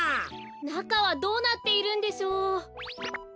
なかはどうなっているんでしょう？